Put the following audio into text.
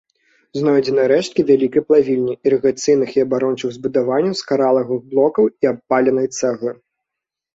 Знойдзены рэшткі вялікай плавільні, ірыгацыйных і абарончых збудаванняў з каралавых блокаў і абпаленай цэглы.